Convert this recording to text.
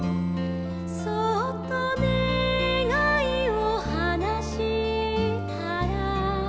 「そっとねがいをはなしたら」